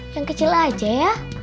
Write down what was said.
yang kecil aja ya